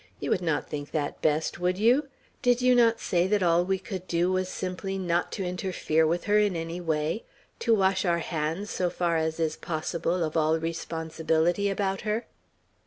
"You would not think that best, would you? Did you not say that all we could do, was simply not to interfere with her in any way? To wash our hands, so far as is possible, of all responsibility about her?"